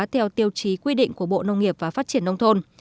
theo tiêu chí quy định của bộ nông nghiệp và phát triển nông thôn